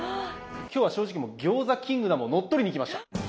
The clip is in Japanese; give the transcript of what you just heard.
今日は正直もう餃子キングダムを乗っ取りに来ました！